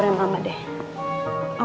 pernah nggak aku touch up